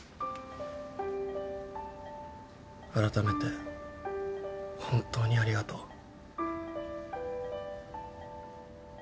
改めて本当にありがとう。